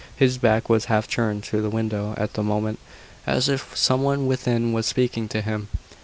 His back was half turned to the window at the moment, as if some one within was speaking to him.